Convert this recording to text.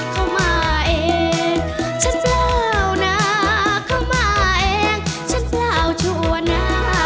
เข้ามาเองฉันเศร้านะเข้ามาเองฉันเปล่าชั่วหน้า